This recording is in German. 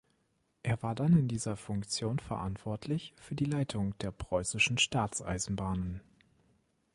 Er war dann in dieser Funktion verantwortlich für die Leitung der preußischen Staatseisenbahnen.